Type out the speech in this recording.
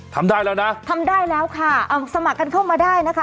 ทำได้แล้วนะทำได้แล้วค่ะเอาสมัครกันเข้ามาได้นะคะ